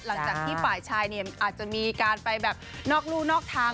หลังจากที่ฝ่ายชายเนี่ยอาจจะมีการไปแบบนอกรู่นอกทาง